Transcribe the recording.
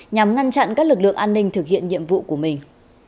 nhằm ngăn chặn các lực lượng an ninh thực hiện nhiệm vụ của mình